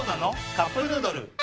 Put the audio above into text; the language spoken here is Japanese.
「カップヌードル」